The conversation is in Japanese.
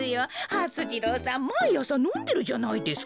はす次郎さんまいあさのんでるじゃないですか。